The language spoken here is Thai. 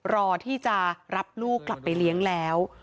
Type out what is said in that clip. รอที่จะรับลูกกลับไปเลี้ยงแล้ว